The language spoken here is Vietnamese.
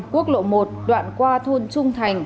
quốc lộ một đoạn qua thôn trung thành